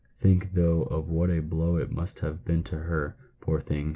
" Think, though, of what a blow it must have been to her, poor thing